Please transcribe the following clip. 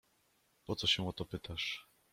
"Po co się o to pytasz?"